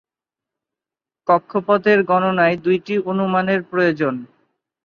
কক্ষপথের গণনায় দুইটি অনুমানের প্রয়োজন।